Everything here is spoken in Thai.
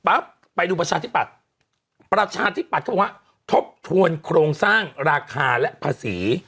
ไปดูประชาธิปัตย์ประชาธิปัตย์เขาบอกว่าทบทวนโครงสร้างราคาและภาษี